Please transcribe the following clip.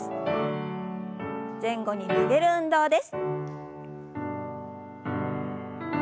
前後に曲げる運動です。